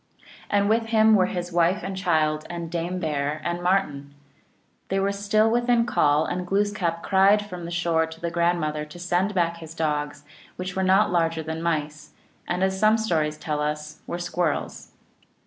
And with him were his wife and child and Dame Bear and Martin. They were still within call, and Glooskap cried from the shore to the grandmother to send back his dogs, which were not larger than mice, and, as some stories tell us, were squirrels.